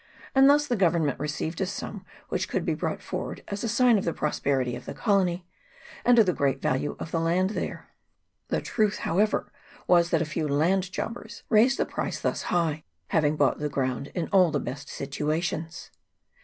and thus the Government re ceived a sum which could be brought forward as a sign of the prosperity of the colony, and of the great value of land there : the truth, however, was, that a few land jobbers raised the price thus high, having bought the ground in all the best situations.